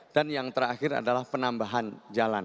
dan yang terakhir adalah penambahan jalan